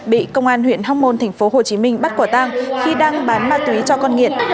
bị công an huyện hóc môn thành phố hồ chí minh bắt quả tang khi đang bán ma túy cho con nghiện